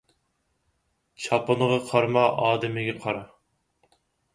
چاپىنىغا قارىما، ئادىمىگە قارا